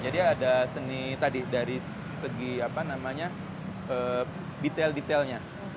jadi ada seni tadi dari segi apa namanya detail detailnya